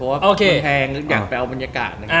เพราะว่ามันแพงอยากไปเอาบรรยากาศ